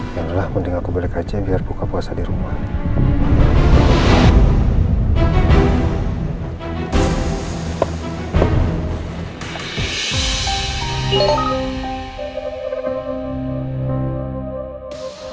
alhamdulillah mending aku balik aja biar buka puasa di rumah